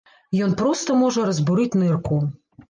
Ён проста можа разбурыць нырку.